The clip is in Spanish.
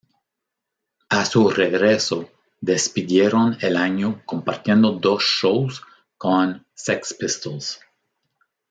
A su regreso despidieron el año compartiendo dos "shows" con Sex Pistols.